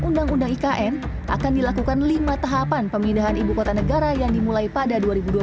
undang undang ikn akan dilakukan lima tahapan pemindahan ibukota negara yang dimulai pada